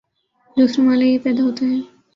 دوسرا مألہ یہ پیدا ہوتا ہے